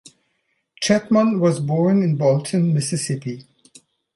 Chatmon was born in Bolton, Mississippi.